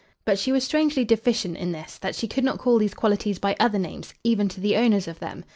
But she was strangely deficient in this, that she could not call these qualities by other names, even to the owners of them.